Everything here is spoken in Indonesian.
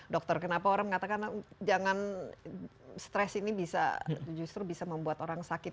dokter kenapa orang mengatakan jangan stres ini bisa justru bisa membuat orang sakit